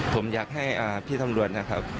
ผมอยากให้พี่ตำรวจนะครับ